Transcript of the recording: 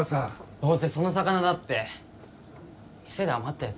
どうせその魚だって店で余ったやつ